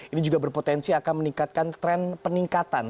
ini juga berpotensi akan meningkatkan tren peningkatan